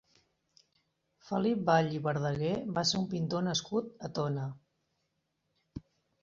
Felip Vall i Verdaguer va ser un pintor nascut a Tona.